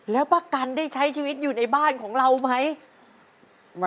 แล้วป้ากันได้ใช้ชีวิตอยู่ในบ้านของเราไหม